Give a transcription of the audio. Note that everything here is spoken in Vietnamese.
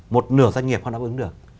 một nửa doanh nghiệp không đáp ứng được